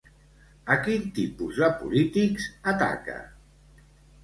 A quin tipus de polítics ataca?